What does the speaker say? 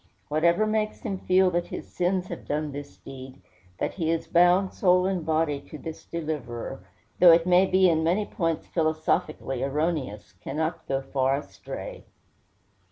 Whatever makes him feel that his sins have done this deed, that he is bound, soul and body, to this Deliverer, though it may be in many points philosophically erroneous, cannot go far astray.